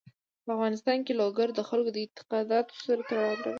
په افغانستان کې لوگر د خلکو د اعتقاداتو سره تړاو لري.